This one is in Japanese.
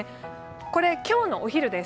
これは今日のお昼です。